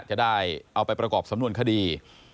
จะได้เอาไปประกอบสำนวนคดี